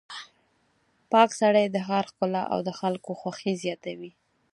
پاک سړکونه د ښار ښکلا او د خلکو خوښي زیاتوي.